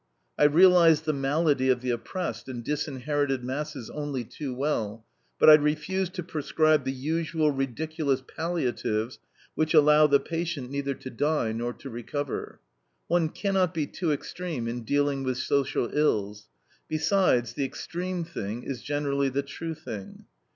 I realize the malady of the oppressed and disinherited masses only too well, but I refuse to prescribe the usual ridiculous palliatives which allow the patient neither to die nor to recover. One cannot be too extreme in dealing with social ills; besides, the extreme thing is generally the true thing.